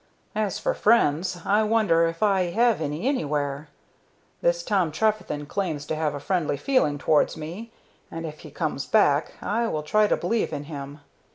"As for friends, I wonder if I have any anywhere. This Tom Trefethen claims to have a friendly feeling towards me, and, if he comes back, I will try to believe in him.